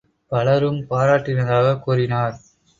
பலரும் பாராட்டினதாகக் கூறினார்.